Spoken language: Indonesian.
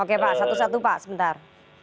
oke pak satu satu pak sebentar